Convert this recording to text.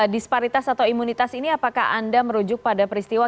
disparitas atau imunitas ini apakah anda merujuk pada peristiwa